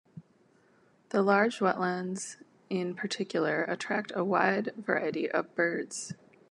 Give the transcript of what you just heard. The large wetlands in particular attract a wide variety of birds.